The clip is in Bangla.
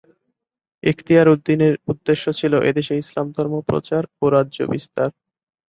ইখতিয়ার উদ্দীনের উদ্দেশ্য ছিল এদেশে ইসলাম ধর্ম প্রচার ও রাজ্য বিস্তার।